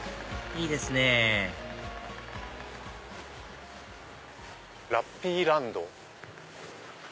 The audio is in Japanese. いいですね「ラッピーランド」。